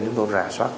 chúng tôi rà soát